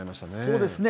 そうですね。